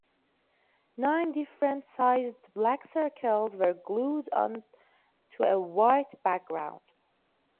Nine different sized black circles were glued onto a white background.